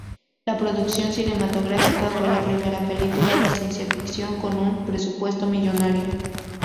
La producción cinematográfica fue la primera película de ciencia ficción con un presupuesto millonario.